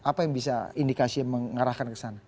apa yang bisa indikasi mengarahkan ke sana